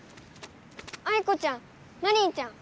アイコちゃんマリンちゃん。